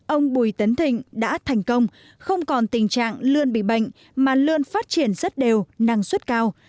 ông bùi tấn thịnh đã thành công không còn tình trạng lươn bị bệnh mà lươn phát triển rất đều năng suất cao